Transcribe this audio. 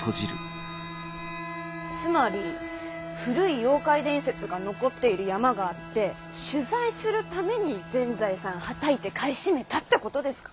つまり古い妖怪伝説が残っている山があって取材するために全財産はたいて買い占めたってことですか？